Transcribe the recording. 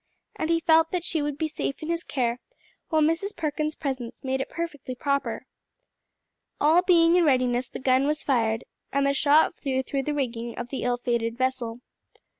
And he felt that she would be safe in his care, while Mrs. Perkins' presence made it perfectly proper. All being in readiness the gun was fired, and the shot flew through the rigging of the ill fated vessel.